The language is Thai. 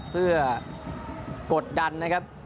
เพื่อกดดันนะครับ